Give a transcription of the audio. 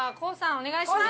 お願いします